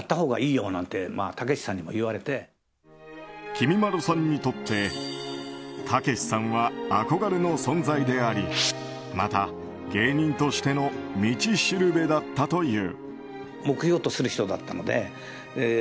きみまろさんにとってたけしさんは憧れの存在でありまた、芸人としての道しるべだったという。